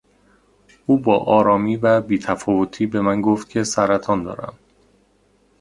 او با آرامی و بی تفاوتی به من گفت که سرطان دارم.